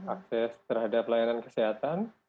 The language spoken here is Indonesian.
akses terhadap layanan kesehatan